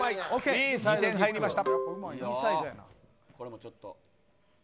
２点入りました。